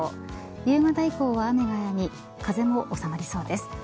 夕方以降は雨がやみ風も収まりそうです。